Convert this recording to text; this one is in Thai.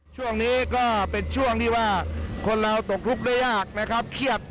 ช่วงนี้ก็เป็นช่วงที่ว่าคนเราตกทุกข์ได้ยากนะครับเครียด